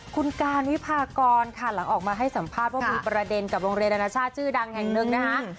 คุณการวิพากรค่ะหลังออกมาให้สัมภาษณ์ว่ามีประเด็นกับโรงเรียนอนาชาติชื่อดังแห่งหนึ่งนะคะ